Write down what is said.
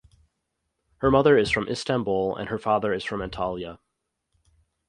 Her mother is from Istanbul and her father is from Antalya.